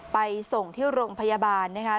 ไปส่งที่โรงพยาบาลนะคะ